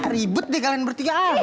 ribet deh kalian bertiga